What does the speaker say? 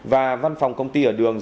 và văn phòng công ty ở đường